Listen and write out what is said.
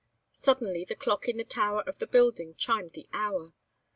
Suddenly the clock in the tower of the building chimed the hour.